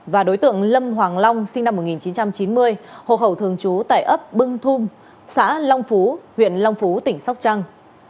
và đối tượng lâm hoàng long sinh năm một nghìn chín trăm chín mươi hồ hậu thường trú tại ấp bưng thung xã long phú huyện long phú tỉnh sóc trăng